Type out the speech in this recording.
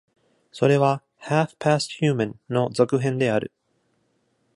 それは Half Past Human の続編である。